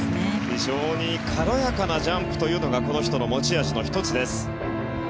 非常に軽やかなジャンプというのがこの人の持ち味の１つです。